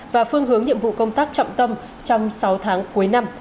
và phương hướng nhiệm vụ công tác trọng tâm trong sáu tháng cuối năm